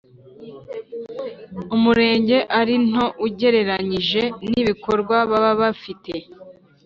Umurenge ari nto ugereranyije n ibikorwa baba bafite